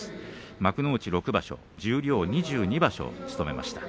幕内６場所十両２２場所、務めました。